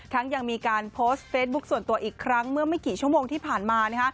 ยังมีการโพสต์เฟซบุ๊คส่วนตัวอีกครั้งเมื่อไม่กี่ชั่วโมงที่ผ่านมา